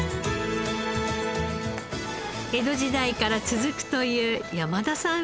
江戸時代から続くという山田さん